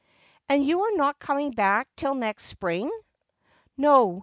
363 4 And you are not coming back till next spring 1 ' 'No.